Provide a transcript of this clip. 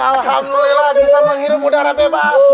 alhamdulillah bisa menghirup udara bebas